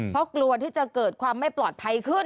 เพราะกลัวที่จะเกิดความไม่ปลอดภัยขึ้น